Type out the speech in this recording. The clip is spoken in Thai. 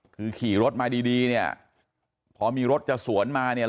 คือขี่รถมาดีดีเนี่ยพอมีรถจะสวนมาเนี่ย